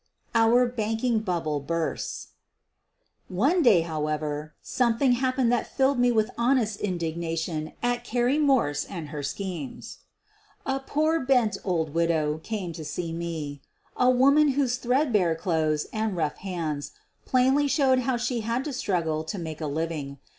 OUR BANKING BUBBLE BURSTS One day, however, something happened that filled me with honest indignation at Carrie Morse and her schemes. A poor, bent old widow called to see me — a woman whose threadbare clothes and rough QUEEN OF THE BURGLARS 99 hands plainly showed how she had to struggle to make a living.